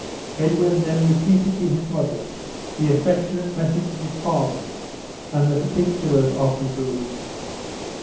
Edwin then repeated to his mother the affectionate message of his father, and the particulars of his release.